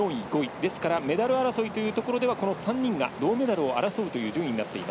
ですからメダル争いというところではこの３人が銅メダルを争うという順位。